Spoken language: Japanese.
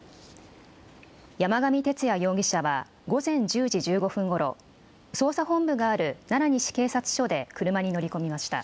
山上徹也容疑者は、午前１０時１５分ごろ、捜査本部がある奈良西警察署で車に乗り込みました。